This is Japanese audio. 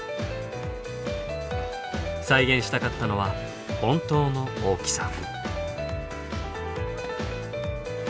再現したかったのは本当の大きさ。